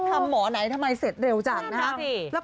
หมอไหนทำไมเสร็จเร็วจังนะครับ